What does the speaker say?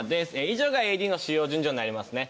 以上がＡＥＤの使用順序になりますね。